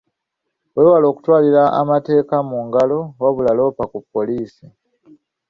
Weewale okutwalira amateeka mu ngalo wabula loopa ku poliisi.